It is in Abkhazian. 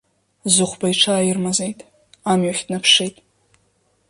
Зыхәба иҽааирмазеит, амҩахь днаԥшит.